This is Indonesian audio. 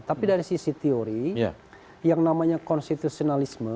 tapi dari sisi teori yang namanya konstitusionalisme